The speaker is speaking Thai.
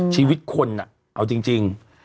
ชีวิตคนเอาจริง